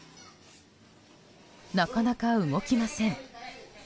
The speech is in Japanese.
なかなか動きません。